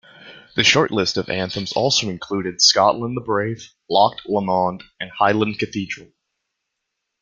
The shortlist of anthems also included "Scotland the Brave", "Loch Lomond" and "Highland Cathedral".